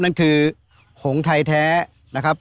นั่นคือหงไทยแท้นะครับ